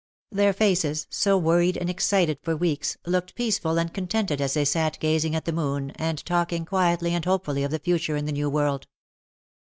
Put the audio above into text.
Their faces, so worried and excited for weeks, looked peaceful and contented as they sat gazing at the moon and talking quietly and hopefully of the future in the new world.